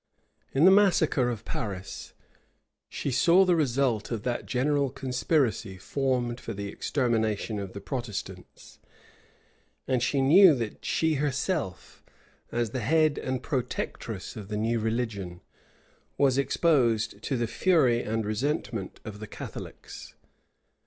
In the massacre of Paris, she saw the result of that general conspiracy formed for the extermination of the Protestants; and she knew that she herself, as the head and protectress of the new religion, was exposed to the fury and resentment of the Catholics.